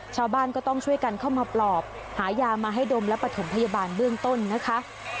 ชาวบ้านก็ต้องช่วยกันเข้ามาปลอบหายามาให้ดมและปฐมพยาบาลเบื้องต้นนะคะ